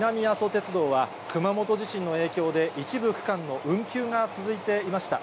鉄道は、熊本地震の影響で、一部区間の運休が続いていました。